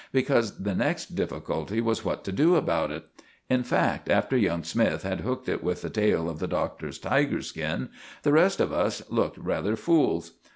Because the next difficulty was what to do about it. In fact, after young Smythe had hooked it with the tail of the Doctor's tiger skin, the rest of us looked rather fools.